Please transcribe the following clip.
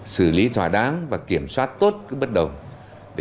xử lý thỏa đáng và kiểm soát tốt các bất kỳ vấn đề